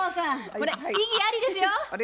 これ異議ありですよ。